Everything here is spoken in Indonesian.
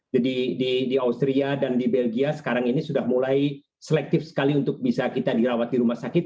jadi di austria dan di belgia sekarang ini sudah mulai selektif sekali untuk bisa kita dirawat di rumah sakit